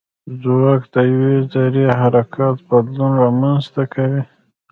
ځواک د یوې ذرې د حرکت بدلون رامنځته کوي.